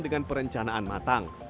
dengan perencanaan matang